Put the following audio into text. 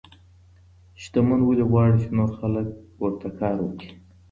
شتمن ولي غواړي چي نور خلګ ورته کار وکړي؟